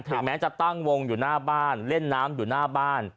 แม้จะตั้งวงอยู่หน้าบ้านเล่นน้ำอยู่หน้าบ้าน